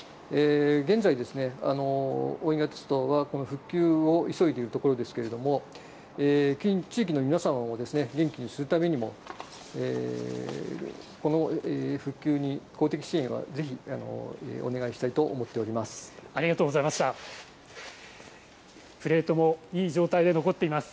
現在、大井川鉄道はこの復旧を急いでいるところですけれども、地域の皆さんを元気にするためにも、この復旧に公的支援はぜひお願いしたいと思っております。